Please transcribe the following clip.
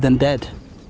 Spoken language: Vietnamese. hơn là chết